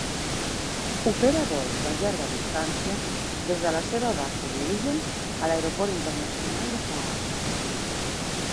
Opera vols de llarga distància des de la seva base d'origen a l'aeroport internacional de Faa'a.